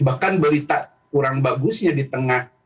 bahkan berita kurang bagusnya di tengah